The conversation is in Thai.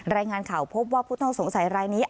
รายงานข่าวพบว่าผู้ต้องสงสัยรายนี้